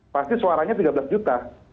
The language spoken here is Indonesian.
pasti suaranya tiga belas juta